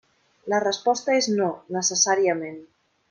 La resposta és no, necessàriament.